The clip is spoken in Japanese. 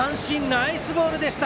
ナイスボールでした！